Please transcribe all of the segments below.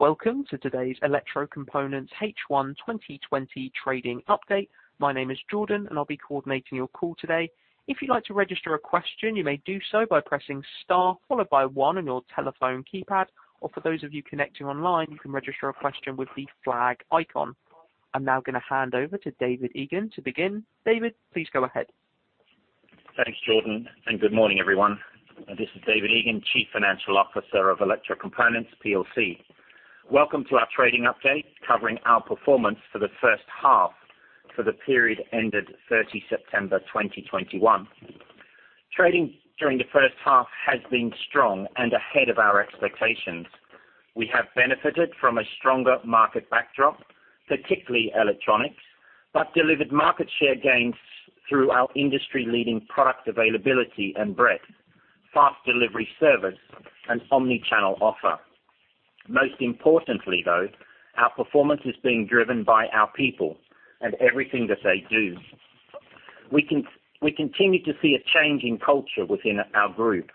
Welcome to today's Electrocomponents H1 2020 Trading Update. My name is Jordan, and I'll be coordinating your call today. If you'd like to register a question, you may do so by pressing star followed by one on your telephone keypad, or for those of you connecting online, you can register a question with the flag icon. I'm now going to hand over to David Egan to begin. David, please go ahead. Thanks, Jordan, and good morning, everyone. This is David Egan, Chief Financial Officer of Electrocomponents PLC. Welcome to our trading update covering our performance for the first half for the period ended 30 September 2021. Trading during the first half has been strong and ahead of our expectations. We have benefited from a stronger market backdrop, particularly electronics, delivered market share gains through our industry-leading product availability and breadth, fast delivery service, and omni-channel offer. Most importantly, though, our performance is being driven by our people and everything that they do. We continue to see a change in culture within our group.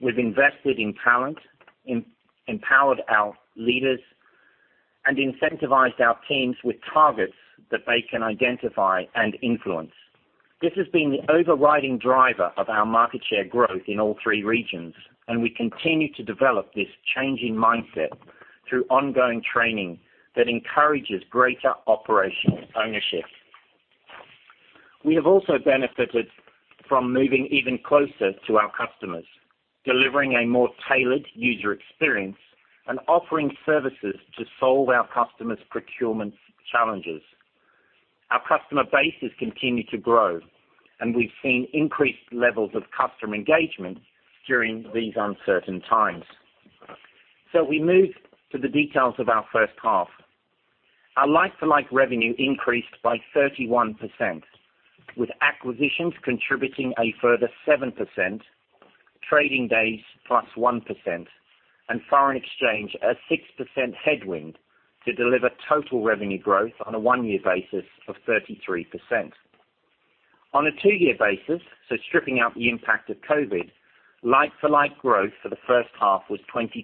We've invested in talent, empowered our leaders, and incentivized our teams with targets that they can identify and influence. This has been the overriding driver of our market share growth in all three regions, and we continue to develop this changing mindset through ongoing training that encourages greater operational ownership. We have also benefited from moving even closer to our customers, delivering a more tailored user experience, and offering services to solve our customers' procurement challenges. Our customer base has continued to grow, and we've seen increased levels of customer engagement during these uncertain times. We move to the details of our first half. Our like-for-like revenue increased by 31%, with acquisitions contributing a further 7%, trading days plus 1%, and foreign exchange a 6% headwind to deliver total revenue growth on a one-year basis of 33%. On a two-year basis, so stripping out the impact of COVID, like-for-like growth for the first half was 22%,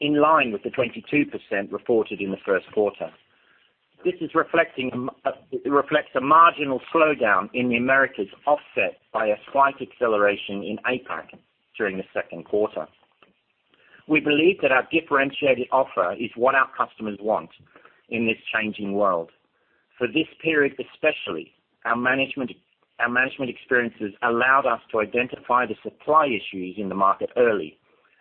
in line with the 22% reported in the first quarter. This reflects a marginal slowdown in the Americas, offset by a slight acceleration in APAC during the second quarter. We believe that our differentiated offer is what our customers want in this changing world. For this period especially, our management experiences allowed us to identify the supply issues in the market early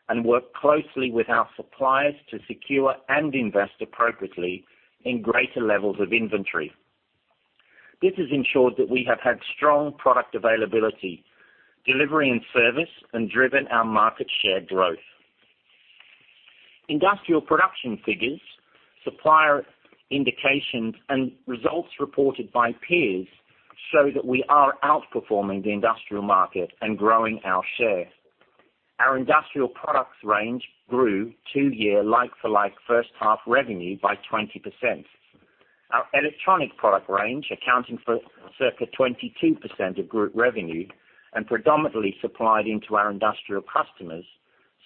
and work closely with our suppliers to secure and invest appropriately in greater levels of inventory. This has ensured that we have had strong product availability, delivery, and service and driven our market share growth. Industrial production figures, supplier indications, and results reported by peers show that we are outperforming the industrial market and growing our share. Our industrial products range grew two-year, like-for-like first half revenue by 20%. Our electronic product range, accounting for circa 22% of group revenue and predominantly supplied into our industrial customers,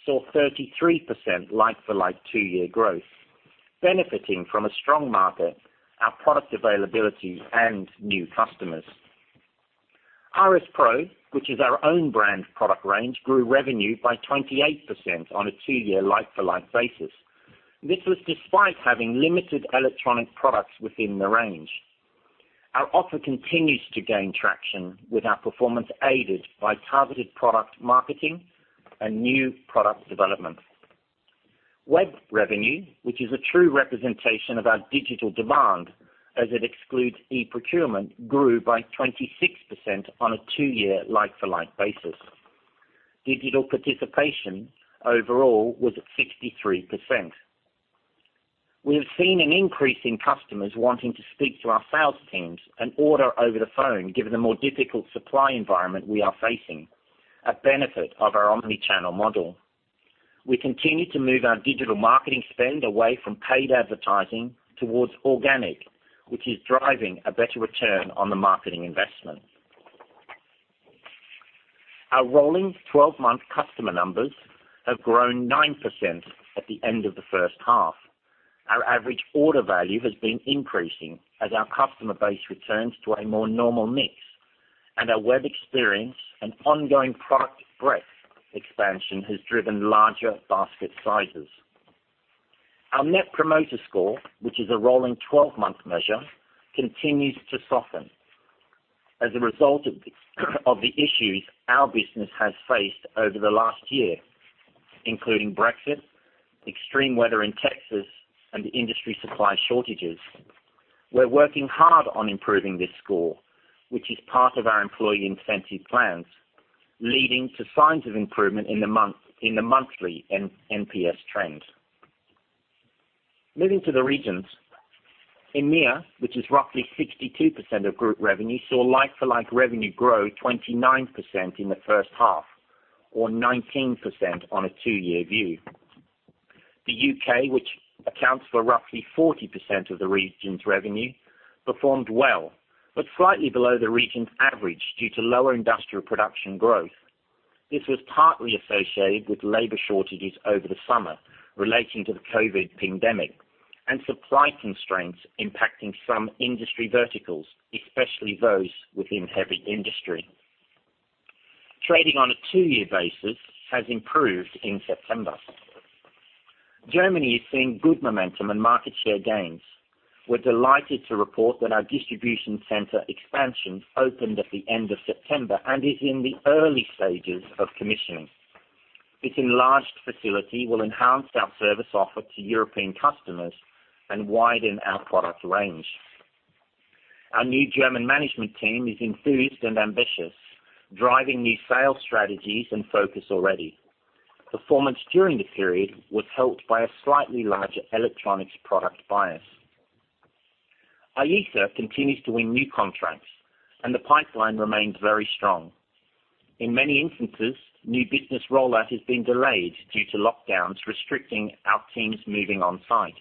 saw 33% like-for-like two-year growth, benefiting from a strong market, our product availability, and new customers. RS PRO, which is our own brand product range, grew revenue by 28% on a two-year, like-for-like basis. This was despite having limited electronic products within the range. Our offer continues to gain traction with our performance aided by targeted product marketing and new product development. Web revenue, which is a true representation of our digital demand as it excludes e-procurement, grew by 26% on a two-year, like-for-like basis. Digital participation overall was at 63%. We have seen an increase in customers wanting to speak to our sales teams and order over the phone, given the more difficult supply environment we are facing, a benefit of our omni-channel model. We continue to move our digital marketing spend away from paid advertising towards organic, which is driving a better return on the marketing investment. Our rolling 12-month customer numbers have grown 9% at the end of the first half. Our average order value has been increasing as our customer base returns to a more normal mix, and our web experience and ongoing product breadth expansion has driven larger basket sizes. Our Net Promoter Score, which is a rolling 12-month measure, continues to soften as a result of the issues our business has faced over the last year, including Brexit, extreme weather in Texas, and industry supply shortages. We're working hard on improving this score, which is part of our employee incentive plans, leading to signs of improvement in the monthly NPS trend. Moving to the regions. EMEA, which is roughly 62% of group revenue, saw like-for-like revenue grow 29% in the first half, or 19% on a two-year view. The U.K., which accounts for roughly 40% of the region's revenue, performed well, but slightly below the region's average due to lower industrial production growth. This was partly associated with labor shortages over the summer relating to the COVID pandemic and supply constraints impacting some industry verticals, especially those within heavy industry. Trading on a two-year basis has improved in September. Germany is seeing good momentum and market share gains. We're delighted to report that our distribution center expansion opened at the end of September and is in the early stages of commissioning. This enlarged facility will enhance our service offer to European customers and widen our product range. Our new German management team is enthused and ambitious, driving new sales strategies and focus already. Performance during the period was helped by a slightly larger electronics product bias. IESA continues to win new contracts, and the pipeline remains very strong. In many instances, new business rollout has been delayed due to lockdowns restricting our teams moving on-site,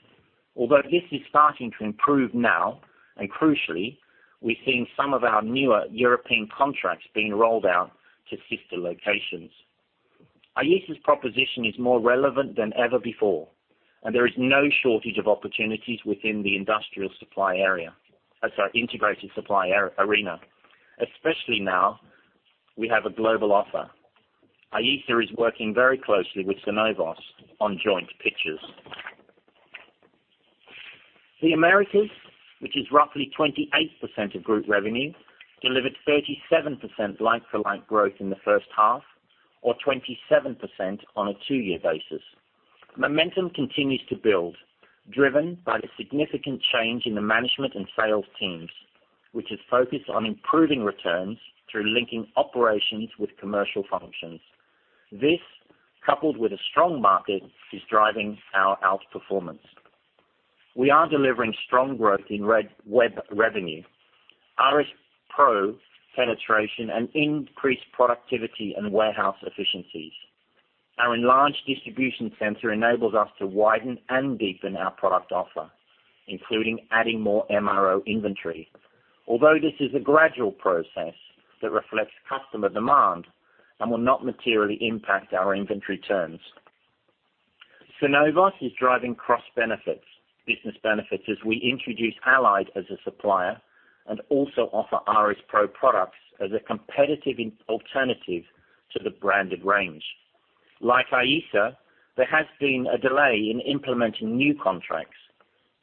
although this is starting to improve now, and crucially, we're seeing some of our newer European contracts being rolled out to sister locations. IESA's proposition is more relevant than ever before, and there is no shortage of opportunities within the industrial supply area. That's our integrated supply arena, especially now we have a global offer. IESA is working very closely with Synovos on joint pitches. The Americas, which is roughly 28% of group revenue, delivered 37% like-for-like growth in the first half or 27% on a two-year basis. Momentum continues to build, driven by the significant change in the management and sales teams, which is focused on improving returns through linking operations with commercial functions. This, coupled with a strong market, is driving our outperformance. We are delivering strong growth in web revenue, RS PRO penetration, and increased productivity and warehouse efficiencies. Our enlarged distribution center enables us to widen and deepen our product offer, including adding more MRO inventory. Although this is a gradual process that reflects customer demand and will not materially impact our inventory turns. Synovos is driving cross-business benefits as we introduce Allied as a supplier and also offer RS PRO products as a competitive alternative to the branded range. Like IESA, there has been a delay in implementing new contracts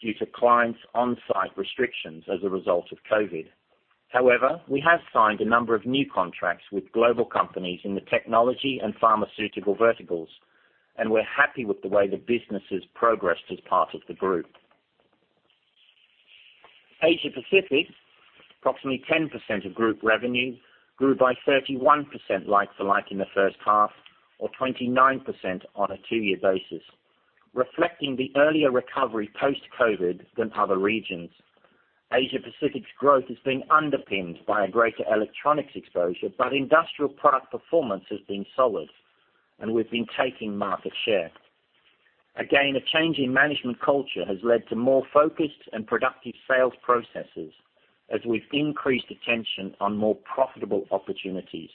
due to clients' on-site restrictions as a result of COVID. We have signed a number of new contracts with global companies in the technology and pharmaceutical verticals, and we're happy with the way the business has progressed as part of the group. Asia-Pacific, approximately 10% of group revenue, grew by 31% like-for-like in the first half or 29% on a two-year basis, reflecting the earlier recovery post-COVID than other regions. Asia-Pacific's growth has been underpinned by a greater electronics exposure, but industrial product performance has been solid, and we've been taking market share. A change in management culture has led to more focused and productive sales processes as we've increased attention on more profitable opportunities.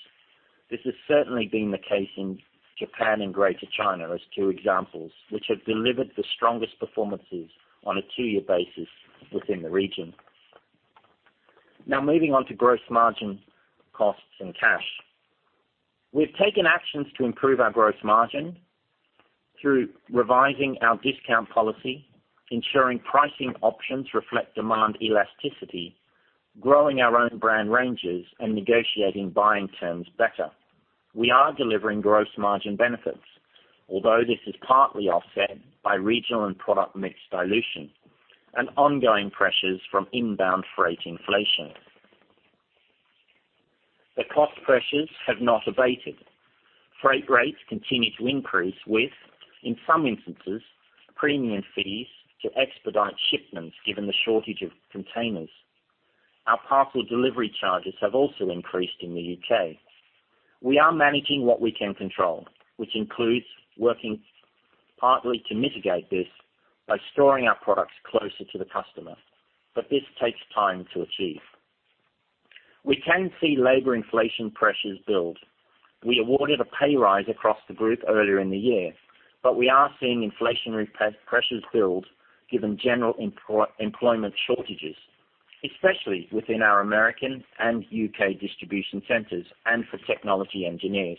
This has certainly been the case in Japan and Greater China as two examples, which have delivered the strongest performances on a two-year basis within the region. Moving on to gross margin costs and cash. We've taken actions to improve our gross margin through revising our discount policy, ensuring pricing options reflect demand elasticity, growing our own brand ranges, and negotiating buying terms better. We are delivering gross margin benefits, although this is partly offset by regional and product mix dilution and ongoing pressures from inbound freight inflation. The cost pressures have not abated. Freight rates continue to increase with, in some instances, premium fees to expedite shipments given the shortage of containers. Our parcel delivery charges have also increased in the U.K. We are managing what we can control, which includes working partly to mitigate this by storing our products closer to the customer, but this takes time to achieve. We can see labor inflation pressures build. We awarded a pay rise across the group earlier in the year, but we are seeing inflationary pressures build given general employment shortages, especially within our American and U.K. distribution centers and for technology engineers.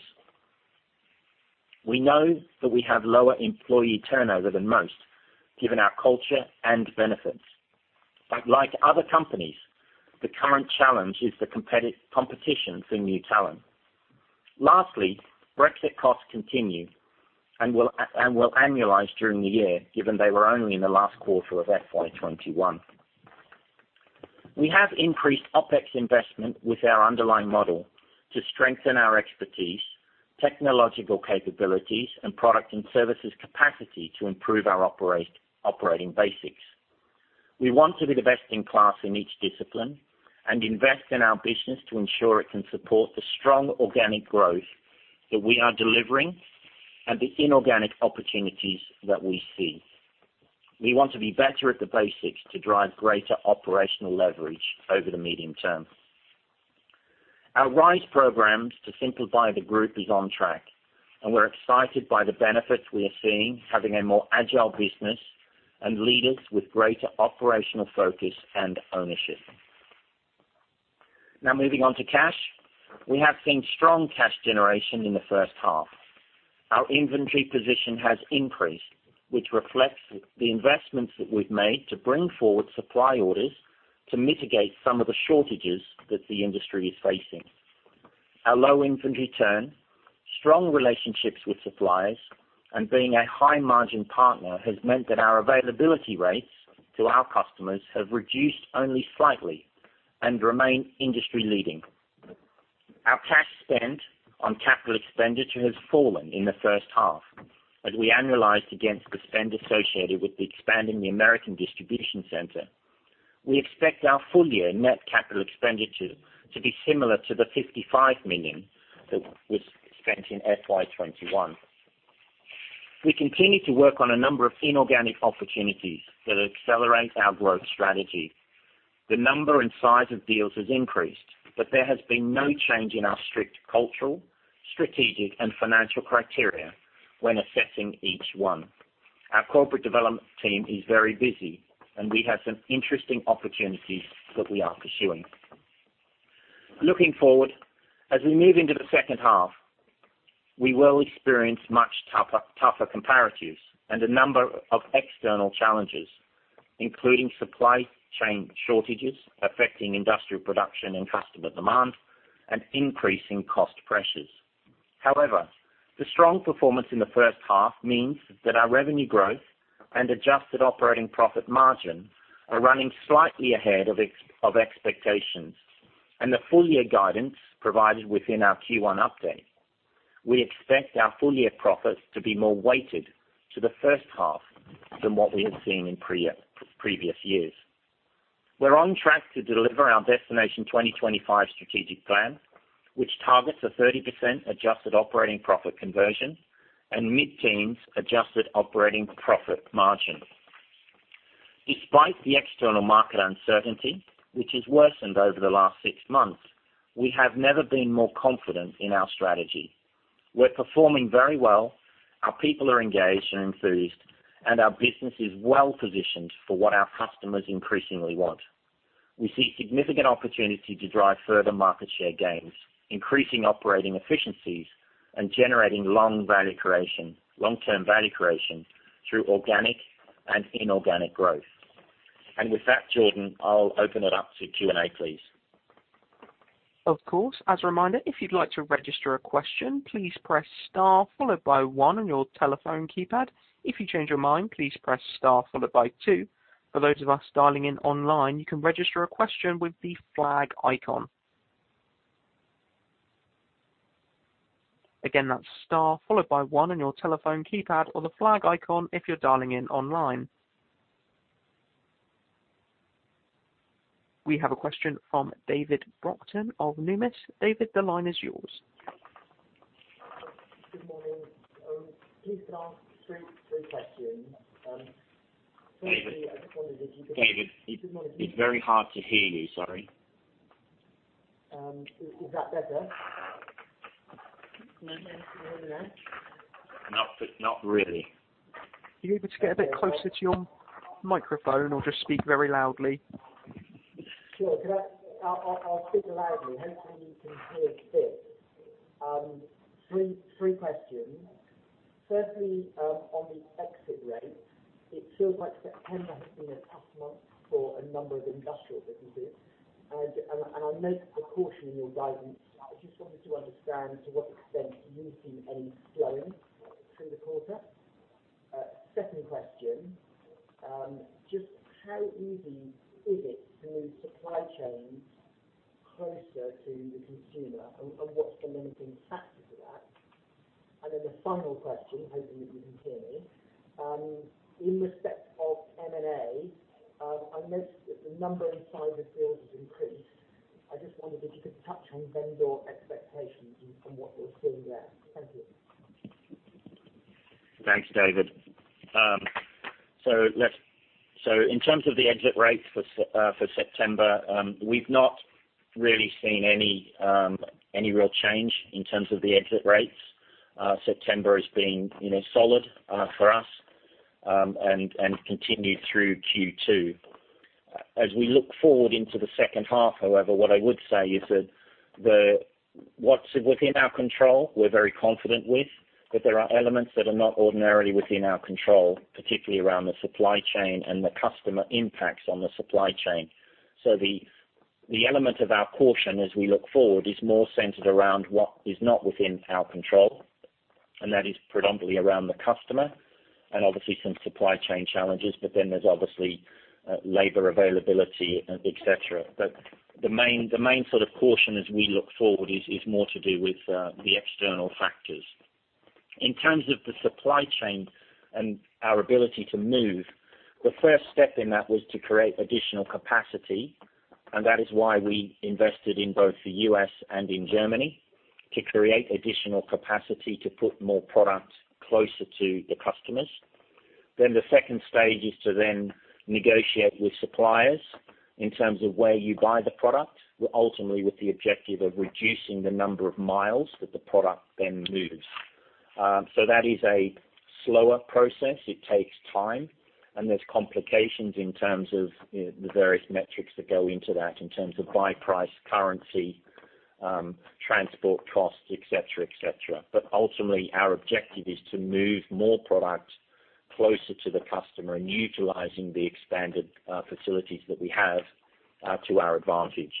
We know that we have lower employee turnover than most given our culture and benefits. Like other companies, the current challenge is the competition for new talent. Lastly, Brexit costs continue and will annualize during the year given they were only in the last quarter of FY 2021. We have increased OpEx investment with our underlying model to strengthen our expertise, technological capabilities, and product and services capacity to improve our operating basics. We want to be the best in class in each discipline and invest in our business to ensure it can support the strong organic growth that we are delivering and the inorganic opportunities that we see. We want to be better at the basics to drive greater operational leverage over the medium term. Our RISE program to simplify the group is on track, and we're excited by the benefits we are seeing having a more agile business and leaders with greater operational focus and ownership. Now moving on to cash. We have seen strong cash generation in the first half. Our inventory position has increased, which reflects the investments that we've made to bring forward supply orders to mitigate some of the shortages that the industry is facing. Our low inventory turn, strong relationships with suppliers, and being a high-margin partner has meant that our availability rates to our customers have reduced only slightly and remain industry-leading. Our cash spend on capital expenditure has fallen in the first half as we annualized against the spend associated with expanding the American distribution center. We expect our full-year net capital expenditure to be similar to the 55 million that was spent in FY 2021. We continue to work on a number of inorganic opportunities that accelerate our growth strategy. The number and size of deals has increased, but there has been no change in our strict cultural, strategic, and financial criteria when assessing each one. Our corporate development team is very busy, and we have some interesting opportunities that we are pursuing. Looking forward, as we move into the second half, we will experience much tougher comparatives and a number of external challenges, including supply chain shortages affecting industrial production and customer demand and increasing cost pressures. However, the strong performance in the first half means that our revenue growth and adjusted operating profit margin are running slightly ahead of expectations and the full-year guidance provided within our Q1 update. We expect our full-year profits to be more weighted to the first half than what we have seen in previous years. We're on track to deliver our Destination 2025 strategic plan, which targets a 30% adjusted operating profit conversion and mid-teens adjusted operating profit margin. Despite the external market uncertainty, which has worsened over the last six months, we have never been more confident in our strategy. We're performing very well, our people are engaged and enthused, our business is well-positioned for what our customers increasingly want. We see significant opportunity to drive further market share gains, increasing operating efficiencies, and generating long-term value creation through organic and inorganic growth. With that, Jordan, I'll open it up to Q&A, please. Of course. As a reminder, if you'd like to register a question, please press star followed by one on your telephone keypad. If you change your mind, please press star followed by two. For those of us dialing in online, you can register a question with the flag icon. Again, that's star followed by one on your telephone keypad or the flag icon if you're dialing in online. We have a question from David Brockton of Numis. David, the line is yours. Good morning. Please can I ask three questions? Firstly, I just wondered if you could- David, it's very hard to hear you. Sorry. Is that better? Can you hear me now? Not really. You able to get a bit closer to your microphone or just speak very loudly? Sure. I'll speak loudly. Hopefully you can hear this. Three questions. Firstly, on the exit rates, it feels like September has been a tough month for a number of industrial businesses. I note the caution in your guidance. I just wanted to understand to what extent you've seen any slowing through the quarter. Second question, just how easy is it to move supply chains closer to the consumer? What's the limiting factor to that? The final question, hoping that you can hear me. In respect of M&A, I noticed that the number and size of deals has increased. I just wondered if you could touch on then your expectations and what you're seeing there. Thank you. Thanks, David. In terms of the exit rates for September, we've not really seen any real change in terms of the exit rates. September has been solid for us, and continued through Q2. As we look forward into the second half, however, what I would say is that what's within our control we're very confident with, but there are elements that are not ordinarily within our control, particularly around the supply chain and the customer impacts on the supply chain. The element of our caution as we look forward is more centered around what is not within our control, and that is predominantly around the customer and obviously some supply chain challenges, but then there's obviously labor availability, et cetera. The main sort of caution as we look forward is more to do with the external factors. In terms of the supply chain and our ability to move, the first step in that was to create additional capacity, and that is why we invested in both the U.S. and in Germany. To create additional capacity to put more product closer to the customers. The second stage is to then negotiate with suppliers in terms of where you buy the product, ultimately with the objective of reducing the number of miles that the product then moves. That is a slower process. It takes time, and there's complications in terms of the various metrics that go into that, in terms of buy price, currency, transport costs, et cetera. Ultimately, our objective is to move more product closer to the customer and utilizing the expanded facilities that we have to our advantage.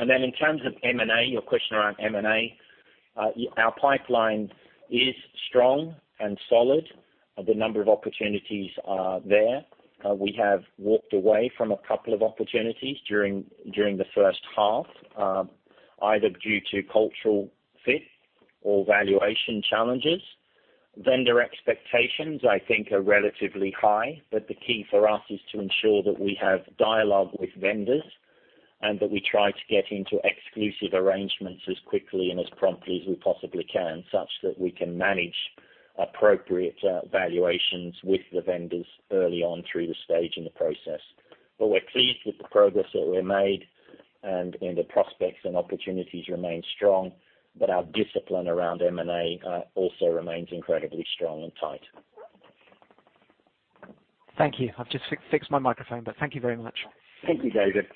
In terms of M&A, your question around M&A, our pipeline is strong and solid. The number of opportunities are there. We have walked away from a couple of opportunities during the first half, either due to cultural fit or valuation challenges. Vendor expectations, I think, are relatively high. The key for us is to ensure that we have dialogue with vendors, and that we try to get into exclusive arrangements as quickly and as promptly as we possibly can, such that we can manage appropriate valuations with the vendors early on through the stage in the process. We're pleased with the progress that we've made, and the prospects and opportunities remain strong, our discipline around M&A also remains incredibly strong and tight. Thank you. I've just fixed my microphone, but thank you very much. Thank you, David.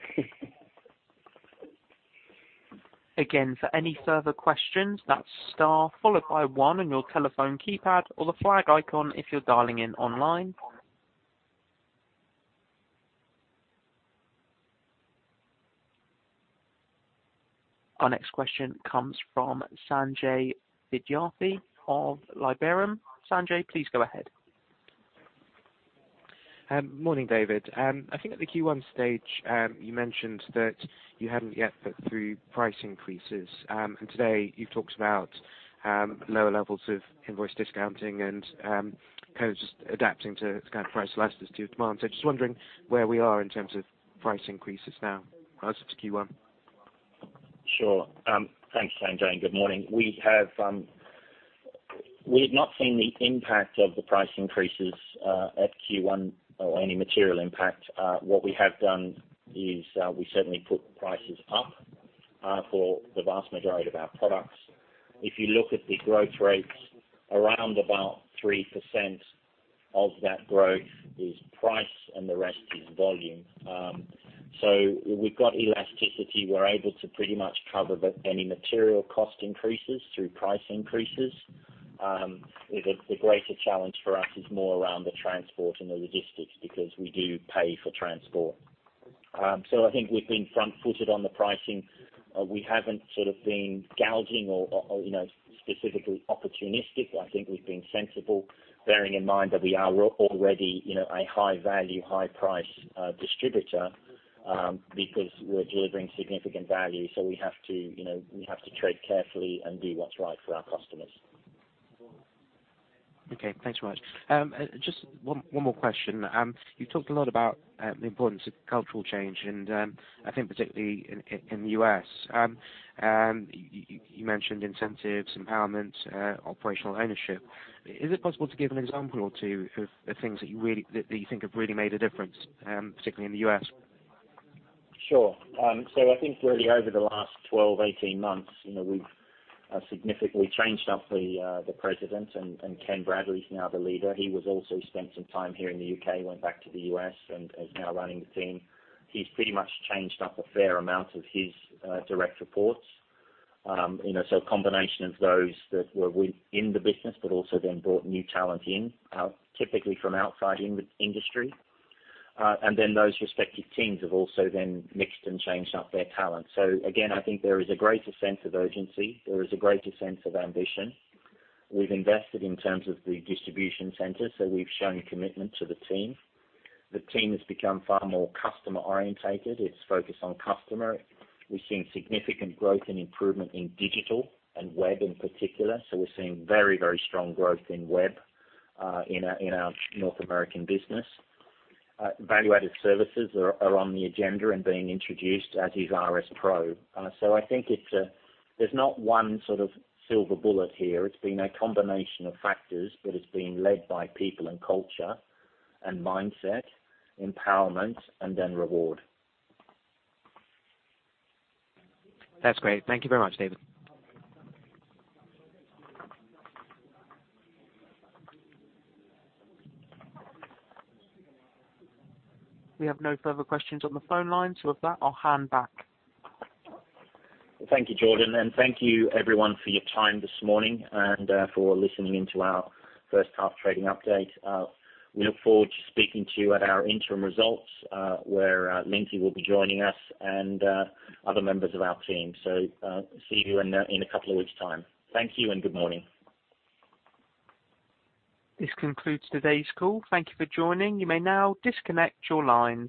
Again, for any further questions, that's star followed by one on your telephone keypad or the flag icon if you're dialing in online. Our next question comes from Sanjay Vidyarthi of Liberum. Sanjay, please go ahead. Morning, David. I think at the Q1 stage, you mentioned that you hadn't yet put through price increases. Today, you've talked about lower levels of invoice discounting and kind of just adapting to kind of price elasticity of demand. Just wondering where we are in terms of price increases now as of Q1. Sure. Thanks, Sanjay. Good morning. We have not seen the impact of the price increases at Q1 or any material impact. What we have done is we certainly put prices up for the vast majority of our products. If you look at the growth rates, around about 3% of that growth is price and the rest is volume. We've got elasticity. We're able to pretty much cover any material cost increases through price increases. The greater challenge for us is more around the transport and the logistics because we do pay for transport. I think we've been front-footed on the pricing. We haven't sort of been gouging or specifically opportunistic. I think we've been sensible, bearing in mind that we are already a high-value, high-price distributor because we're delivering significant value, so we have to tread carefully and do what's right for our customers. Okay, thanks very much. Just one more question. You talked a lot about the importance of cultural change, and I think particularly in the U.S. You mentioned incentives, empowerment, operational ownership. Is it possible to give an example or two of the things that you think have really made a difference, particularly in the U.S.? Sure. I think really over the last 12-18 months, we've significantly changed up the presidents, Ken Bradley's now the leader. He has also spent some time here in the U.K., went back to the U.S., is now running the team. He's pretty much changed up a fair amount of his direct reports. A combination of those that were within the business, also then brought new talent in, typically from outside industry. Those respective teams have also then mixed and changed up their talent. Again, I think there is a greater sense of urgency. There is a greater sense of ambition. We've invested in terms of the distribution center, we've shown commitment to the team. The team has become far more customer orientated. It's focused on customer. We're seeing significant growth and improvement in digital and web in particular. We're seeing very strong growth in web in our North American business. Value added services are on the agenda and being introduced, as is RS PRO. I think there's not one sort of silver bullet here. It's been a combination of factors, but it's being led by people and culture and mindset, empowerment, and then reward. That's great. Thank you very much, David. We have no further questions on the phone line. With that, I'll hand back. Thank you, Jordan. Thank you everyone for your time this morning and for listening in to our first half trading update. We look forward to speaking to you at our interim results, where Lindsley Ruth will be joining us and other members of our team. See you in a couple of weeks' time. Thank you and good morning. This concludes today's call. Thank you for joining. You may now disconnect your lines.